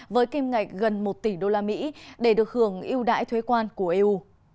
với kim ngạch gần một tỷ đô la mỹ để được hưởng yêu đại thuế quan của eu